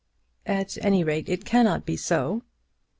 "At any rate it cannot be so."